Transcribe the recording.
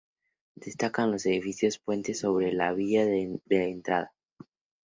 Destacan los edificios puente sobre la vía de entrada.